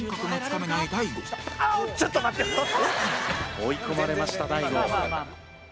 追い込まれました大悟。